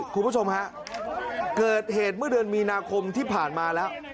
คุณผู้ชมฮะเกิดเหตุเมื่อเดือนมีนาคมที่ผ่านมาแล้ว